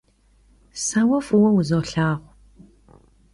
Se vue f'ıue vuzolhağu.